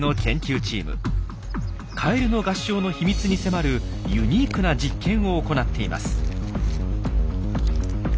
カエルの合唱の秘密に迫るユニークな実験を行っています。